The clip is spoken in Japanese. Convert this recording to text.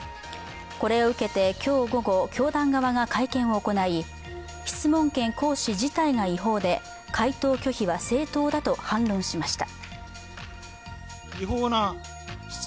これを受けて今日午後、教団側が会見を行い質問権行使自体が違法で回答拒否は正当だと反論しました。